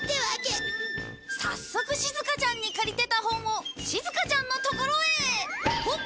早速しずかちゃんに借りてた本をしずかちゃんのところへほっ！